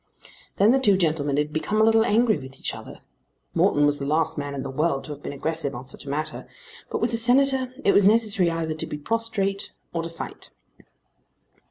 Then the two gentlemen had become a little angry with each other. Morton was the last man in the world to have been aggressive on such a matter; but with the Senator it was necessary either to be prostrate or to fight.